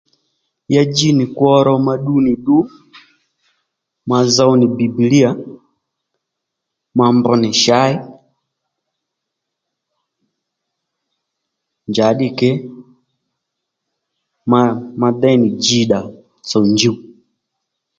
Ya dji nì kwo ró ma ddu nì ddu ma zow nì bìbìlíyà ma mbr nì shǎy njàddî kě ma ma déy nì dji-ddà tsòw djuw